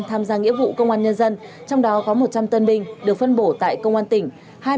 tham gia nghĩa vụ công an nhân dân trong đó có một trăm linh tân binh được phân bổ tại công an tỉnh